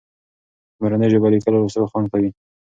په مورنۍ ژبه لیکل او لوستل خوند کوي.